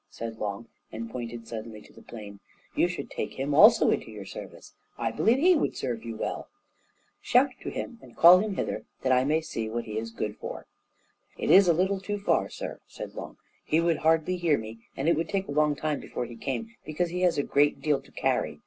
said Long, and pointed suddenly to the plain; "you should take him also into your service; I believe he would serve you well." "Shout to him, and call him hither, that I may see what he is good for." "It is a little too far, sir," said Long; "he would hardly hear me, and it would take a long time before he came, because he has a great deal to carry.